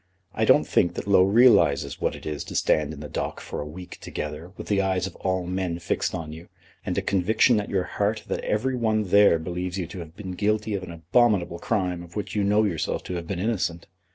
I don't think that Low realises what it is to stand in the dock for a week together, with the eyes of all men fixed on you, and a conviction at your heart that every one there believes you to have been guilty of an abominable crime of which you know yourself to have been innocent.